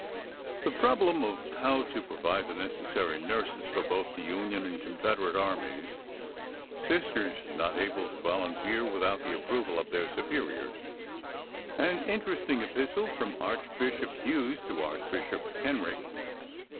The problem of how to provide the necessary nurses for both the Union and Confederate Armies. Sisters not able to volunteer without the approval of their superiors. An interesting epistle from Archbishop Hughes to Archbishop Kenrick.